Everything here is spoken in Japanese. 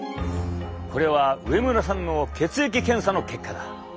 これは植村さんの血液検査の結果だ。